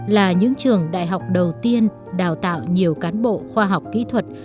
là những trường đại học đầu tiên đào tạo nhiều cán bộ khoa học kỹ thuật